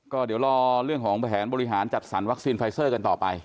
ก็เดี๋ยวรอเรื่องของแผนบริหารจัดสรรวัคซีนไฟเซอร์กันต่อไป